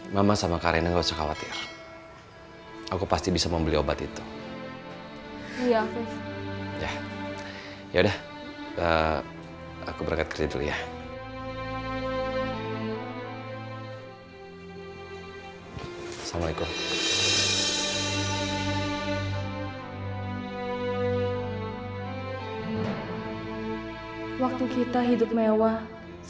mama mama tenang ya ma jangan nangis terus